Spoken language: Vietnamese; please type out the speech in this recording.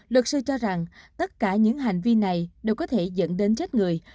luật sư cho rằng tất cả những hành vi này đều có thể dẫn đến chết người